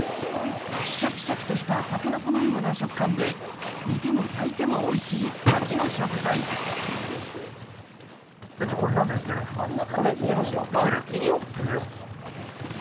しゃきしゃきとしたタケノコのような食感で、煮ても焼いてもおい店長、これ、鍋、いけますよ。